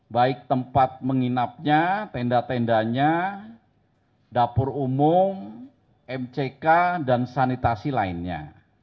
baik tempat menginapnya tenda tendanya dapur umum mck dan sanitasi lainnya